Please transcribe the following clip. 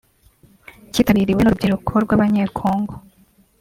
cyitabiriwe n’urubyiruko rw’abanyekongo